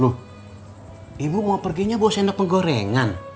loh ibu mau perginya bawa sendok penggorengan